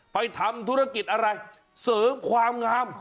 ทำธุรกิจอะไรเสริมความงาม